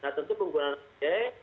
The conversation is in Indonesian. nah tentu penggunaan anjai